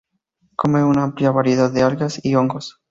Come una amplia variedad de algas y hongos.